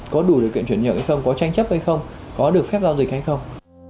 có đủ điều kiện chuyển nhượng hay không có tranh chấp hay không có được phép giao dịch hay không